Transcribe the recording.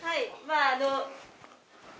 まぁあの。